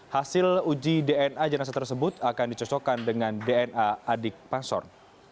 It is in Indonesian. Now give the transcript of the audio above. hasil uji dna jenasa tersebut akan dicocokkan dengan dna adik pansor